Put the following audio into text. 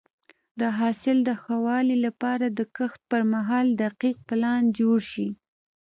د حاصل د ښه والي لپاره د کښت پر مهال دقیق پلان جوړ شي.